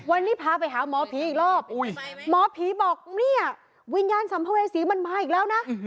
วันนี้พาไปหาหมอผีอีกรอบหมอผีบอกเนี่ยวิญญาณสัมภเวษีมันมาอีกแล้วนะ